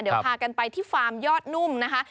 เดี๋ยวพากันไปที่ฟาร์มยอดนุ่มนะคะ